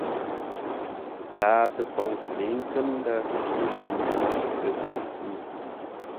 Tǎa-təpoŋ lə̌i nkət ndə̂ nci, kə́ sʉ́ sʉ́.